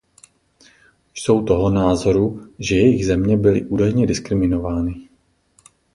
Jsou toho názoru, že jejich země byly údajně diskriminovány.